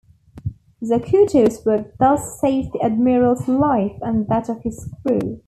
Zacuto's work thus saved the Admiral's life and that of his crew.